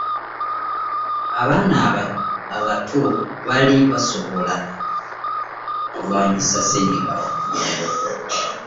abaana abato baali basobola okulwanyisa ssenyiga omukambwe.